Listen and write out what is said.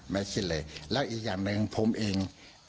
ไม่คิดเลยแล้วอีกอย่างหนึ่งผมเอง